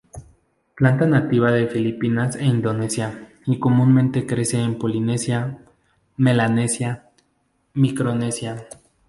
Planta nativa de Filipinas e Indonesia y comúnmente crece en Polinesia, Melanesia, Micronesia.